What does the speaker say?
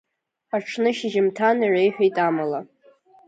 Аҽны шьжьымҭан, иреиҳәеит амала…